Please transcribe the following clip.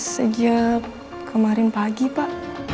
sejak kemarin pagi pak